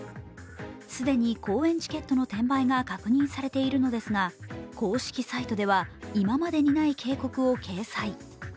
既に公演チケットの転売が確認されているのですが、公式サイトでは今までにない警告を掲載。